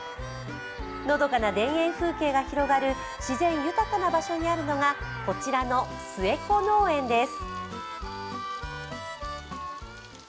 のどかな田園風景が広がる自然豊かな場所にあるのがこちらの素ヱコ農園です。